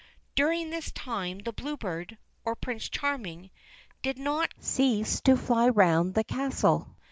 During this time the Blue Bird, or Prince Charming, did not cease to fly round the castle.